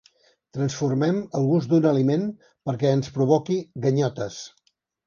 Transformem el gust d'un aliment perquè ens provoqui ganyotes.